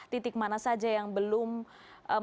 titik mana saja yang belum berhasil